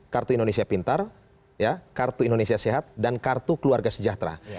kartu indonesia pintar kartu indonesia sehat dan kartu keluarga sejahtera